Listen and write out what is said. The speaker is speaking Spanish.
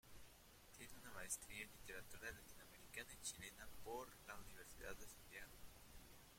Tiene una maestría en Literatura Latinoamericana y Chilena por la Universidad de Santiago.